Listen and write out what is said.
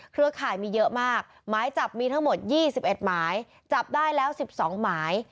เครือข่ายมีเยอะมากหมายจับมีทั้งหมด๒๑หมายจับได้แล้ว๑๒หมาย